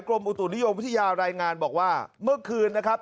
อุตุนิยมวิทยารายงานบอกว่าเมื่อคืนนะครับ